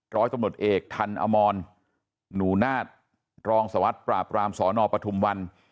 ร้อยตำรวจเอกทันอมรหนูนาฏรองสวัสดิ์ปราบรามสนปทุมวัน